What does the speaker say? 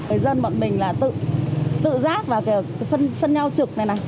với dân bọn mình là tự giác và phân nhau trực này này